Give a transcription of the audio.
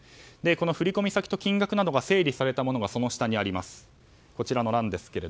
この振り込み先と金額が整理されたものがその下にあります。